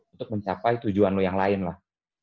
untuk mencapai tujuan lo yang lain lah